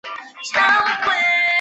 格罗索立功啦！